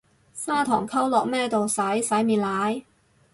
砂糖溝落咩度洗，洗面奶？